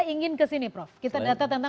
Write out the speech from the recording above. ingin ke sini prof kita data tentang